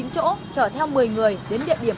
bốn chỗ chở theo một mươi người đến địa điểm